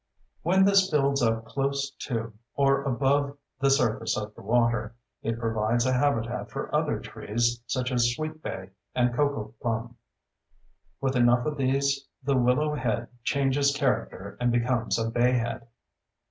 When this builds up close to or above the surface of the water, it provides a habitat for other trees such as sweet bay and cocoplum; with enough of these the willow head changes character and becomes a bayhead.